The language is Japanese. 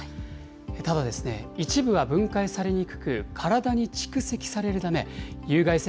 ただですね、一部は分解されにくく、体に蓄積されるため、有害性